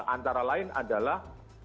antara lain adalah